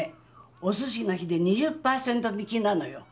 「おすしの日」で２０％引きなのよ。